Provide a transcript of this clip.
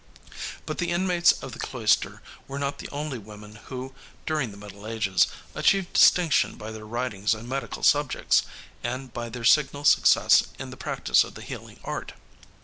But the inmates of the cloister were not the only women who, during the Middle Ages, achieved distinction by their writings on medical subjects and by their signal success in the practice of the healing art.